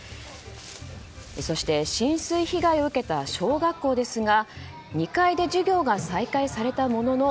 そして浸水被害を受けた小学校ですが２階で授業が再開されたものの